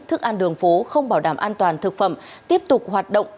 thức ăn đường phố không bảo đảm an toàn thực phẩm tiếp tục hoạt động